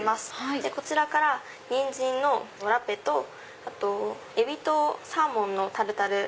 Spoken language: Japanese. こちらからニンジンのラペとエビとサーモンのタルタル。